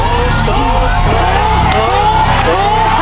ถูก